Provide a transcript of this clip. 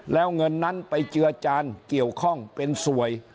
แล้วเงินนั้นไปเจือจานเกี่ยวข้องเป็นสวย